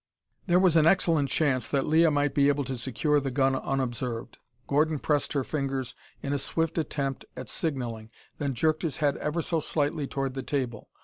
There was an excellent chance that Leah might be able to secure the gun unobserved. Gordon pressed her fingers in a swift attempt at signalling, then jerked his head ever so slightly toward the table.